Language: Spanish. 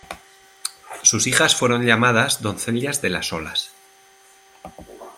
Sus hijas fueron llamadas "doncellas de las olas".